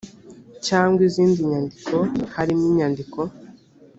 cyangwa izindi nyandiko harimo inyandiko